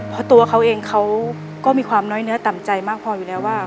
เพราะตัวเขาเองเขาก็มีความน้อยเนื้อต่ำใจมากพออยู่แล้วว่า